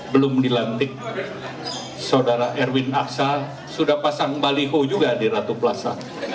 belum dilantik saudara erwin aksa sudah pasang baliho juga di ratu plaza